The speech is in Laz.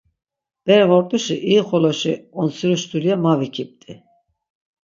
Bere vort̆işi irixoloşi ontsiruş dulya ma vikipt̆i.